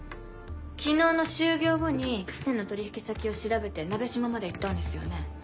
昨日の終業後に喜泉の取引先を調べて「なべしま」まで行ったんですよね？